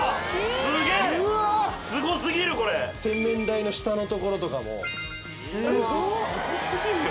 すげえうわすごすぎるこれ洗面台の下のところとかもすごすぎるね